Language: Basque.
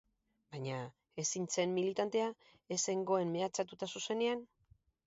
Baina ez hintzen militantea, ez hengoen mehatxatua zuzenean.